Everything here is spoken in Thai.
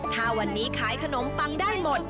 ถ้าวันนี้ขายขนมปังได้หมด